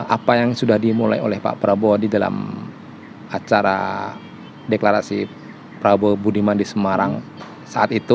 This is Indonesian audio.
apa yang sudah dimulai oleh pak prabowo di dalam acara deklarasi prabowo budiman di semarang saat itu